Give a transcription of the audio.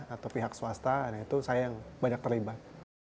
atau pihak swasta dan itu saya yang banyak terlibat